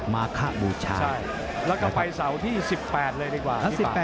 มาขบูชาแล้วก็ไปเสาร์ที่๑๘เลยดีกว่า